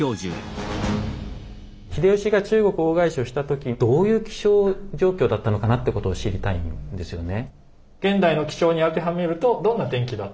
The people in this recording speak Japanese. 秀吉が中国大返しをした時どういう気象状況だったのかなってことを知りたいんですよね。